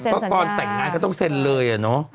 พอก่อนแต่งงานก็ต้องเซ็นเลย